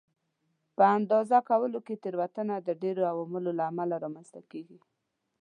په اندازه کولو کې تېروتنه د ډېرو عواملو له امله رامنځته کېږي.